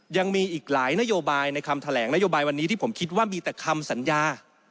ยังมีอีกหลายนโยบายในคำแถลงนโยบายวันนี้ที่ผมคิดว่ามีแต่คำสัญญา